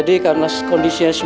kita belanja di mall